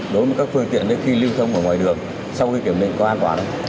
đối với các phương tiện đấy khi lưu thông ở ngoài đường sau khi kiểm định có an toàn